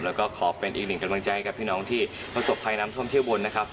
แล้วก็ขอเป็นอีกหนึ่งกำลังใจกับพี่น้องที่ประสบภัยน้ำท่วมเที่ยวบนนะครับ